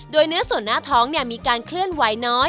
โดยเนื้อส่วนหน้าท้องมีการเคลื่อนไหวน้อย